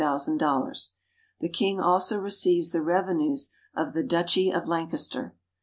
The King also receives the revenues of the Duchy of Lancaster.